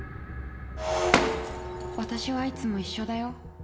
私はいつも一緒だよ